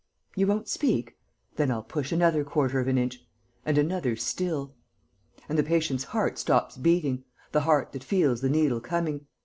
You won't speak?... Then I'll push another quarter of an inch ... and another still.' And the patient's heart stops beating, the heart that feels the needle coming....